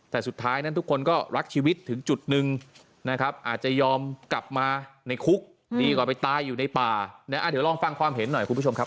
แต่สุดท้ายนั้นทุกคนก็รักชีวิตถึงจุดหนึ่งนะครับอาจจะยอมกลับมาในคุกดีกว่าไปตายอยู่ในป่านะเดี๋ยวลองฟังความเห็นหน่อยคุณผู้ชมครับ